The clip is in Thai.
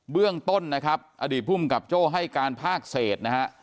เบื้องต้นอดีตภูมิกับโจ้ให้การพากเศษ